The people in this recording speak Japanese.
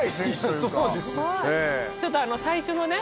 ちょっとあの最初のね。